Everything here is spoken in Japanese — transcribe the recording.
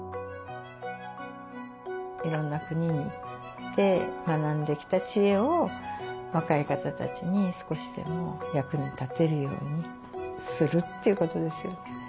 いろんな国に行って学んできた知恵を若い方たちに少しでも役に立てるようにするっていうことですよね。